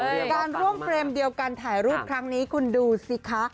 การร่วมเฟรมเดียวกันถ่ายรูปครั้งนี้คุณดูสิคะ